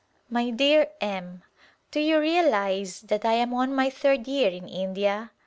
My dear M : Do you realize that I am on my third year in India?